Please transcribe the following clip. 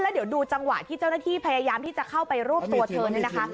เดี๋ยวดูจังหวะที่เจ้าหน้าที่พยายามที่จะเข้าไปรวบตัวเธอนี่นะคะ